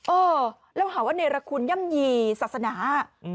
เออแล้วหาว่าเนรคุณย่ำยี่ศาสนา